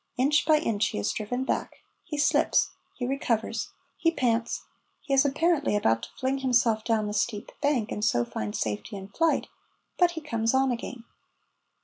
Inch by inch he is driven back, he slips, he recovers, he pants, he is apparently about to fling himself down the steep bank and so find safety in flight, but he comes on again.